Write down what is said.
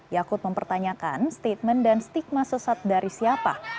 yakut mempertanyakan statement dan stigma sesat dari siapa